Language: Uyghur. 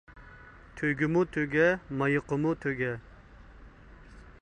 تۆگىمۇ تۆگە، مايىقىمۇ تۆگە.